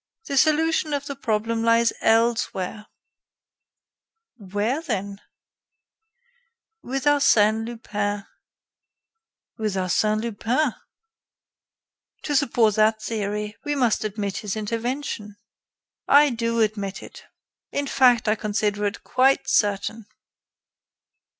The solution of the problem lies elsewhere." "Where, then?" "With Arsène Lupin." "With Arsène Lupin! To support that theory, we must admit his intervention." "I do admit it. In fact, I consider it quite certain."